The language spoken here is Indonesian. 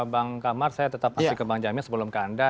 bang kamar saya tetap masih ke bang jamil sebelum ke anda